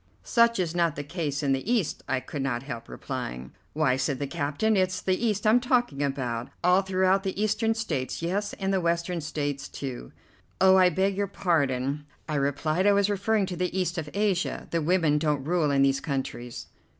"Such is not the case in the East," I could not help replying. "Why," said the captain, "it's the East I'm talking about. All throughout the Eastern States, yes, and the Western States, too." "Oh, I beg your pardon," I replied, "I was referring to the East of Asia. The women don't rule in these countries."